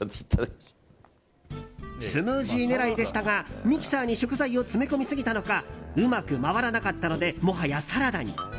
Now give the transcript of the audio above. スムージー狙いでしたがミキサーに食材を詰め込みすぎたのかうまく回らなかったのでもはやサラダに。